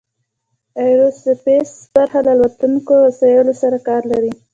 ایرو سپیس برخه له الوتونکو وسایلو سره کار لري.